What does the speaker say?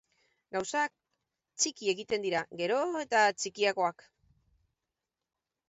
Gauzak txiki egiten dira, gero eta txikiagoak.